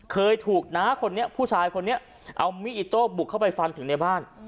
เคยถูกน้าคนนี้ผู้ชายคนนี้เอามีดอิโต้บุกเข้าไปฟันถึงในบ้าน